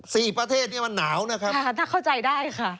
ประเทศนี้มันหนาวนะครับค่ะถ้าเข้าใจได้ค่ะ